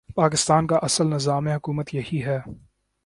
پاکستان کا اصل نظام حکومت یہی ہے۔